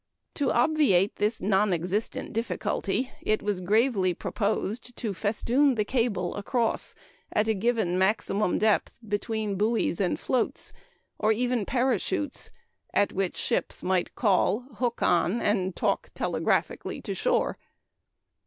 " To obviate this non existent difficulty, it was gravely proposed to festoon the cable across, at a given maximum depth between buoys and floats, or even parachutes at which ships might call, hook on, and talk telegraphically to shore!